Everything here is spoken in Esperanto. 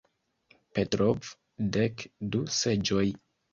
Petrov "Dek du seĝoj".